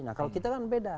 nah kalau kita kan beda